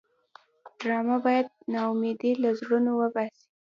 ډرامه باید ناامیدي له زړونو وباسي